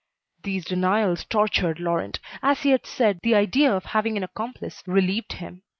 These denials tortured Laurent. As he had said, the idea of having an accomplice relieved him.